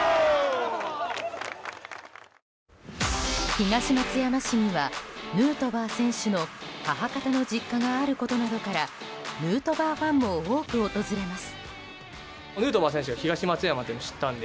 東松山市にはヌートバー選手の母方の実家があることなどからヌートバーファンも多く訪れます。